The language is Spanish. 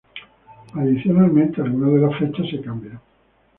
Adicionalmente, algunas de las fechas se cambian.